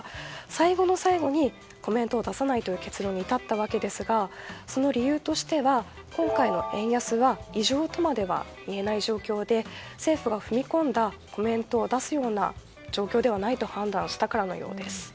最後の最後にコメントを出さないという結論に至ったわけですがその理由としては、今回の円安は異常とまでは言えない状況で政府が踏み込んだコメントを出すような状況ではないと判断したからのようです。